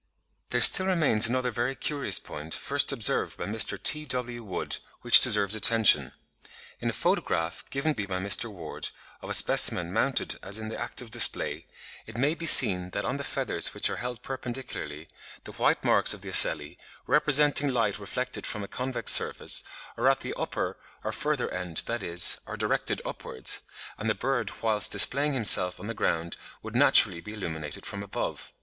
There still remains another very curious point, first observed by Mr. T.W. Wood (51. The 'Field,' May 28, 1870.), which deserves attention. In a photograph, given me by Mr. Ward, of a specimen mounted as in the act of display, it may be seen that on the feathers which are held perpendicularly, the white marks on the ocelli, representing light reflected from a convex surface, are at the upper or further end, that is, are directed upwards; and the bird whilst displaying himself on the ground would naturally be illuminated from above.